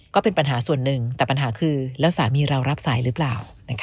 ก็เป็นปัญหาส่วนหนึ่งแต่ปัญหาคือแล้วสามีเรารับสายหรือเปล่า